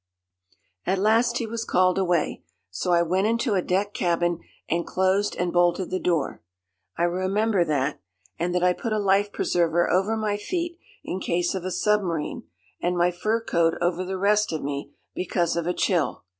"At last he was called away. So I went into a deck cabin, and closed and bolted the door. I remember that, and that I put a life preserver over my feet, in case of a submarine, and my fur coat over the rest of me, because of a chill.